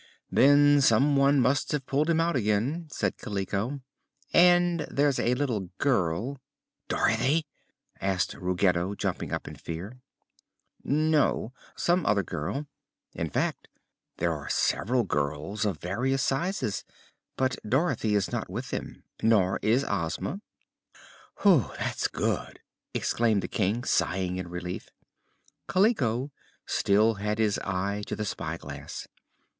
"Then some one must have pulled him out again," said Kaliko. "And there's a little girl " "Dorothy?" asked Ruggedo, jumping up in fear. "No; some other girl. In fact, there are several girls, of various sizes; but Dorothy is not with them, nor is Ozma." "That's good!" exclaimed the King, sighing in relief. Kaliko still had his eye to the spyglass.